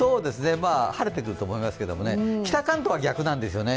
まあ、晴れてくると思いますけどね、北関東は逆なんですね。